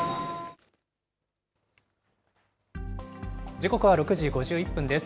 時刻は６時５１分です。